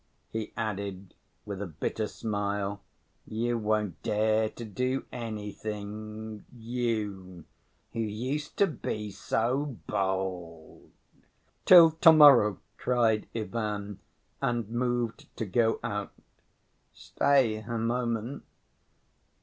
he added, with a bitter smile. "You won't dare to do anything, you, who used to be so bold!" "Till to‐morrow," cried Ivan, and moved to go out. "Stay a moment....